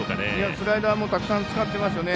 スライダーもたくさんつかっていますよね。